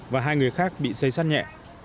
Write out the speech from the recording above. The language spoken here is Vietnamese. và hai người khác bị xây sát nhẹ